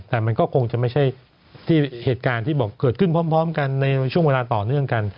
แต่มันก็คงจะไม่ใช่ที่เหตุการณ์ที่บอกเกิดขึ้นพร้อมกันในช่วงเวลาต่อเนื่องกัน